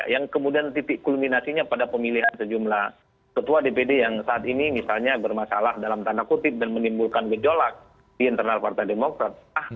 yang kemudian titik kulminasinya pada pemilihan sejumlah ketua dpd yang saat ini misalnya bermasalah dalam tanda kutip dan menimbulkan gejolak di internal partai demokrat